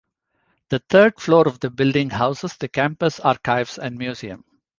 The third floor of the building houses the campus archives and museum.